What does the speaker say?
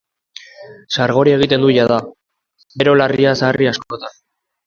Sargori egiten du jada, bero larria sarri askotan.